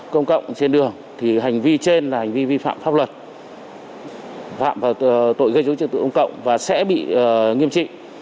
công cộng trên đường thì hành vi trên là hành vi vi phạm pháp luật vào tội gây dối trật tự công cộng và sẽ bị nghiêm trị